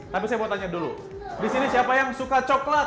tapi saya mau tanya dulu disini siapa yang suka coklat